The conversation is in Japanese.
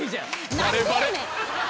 バレバレ。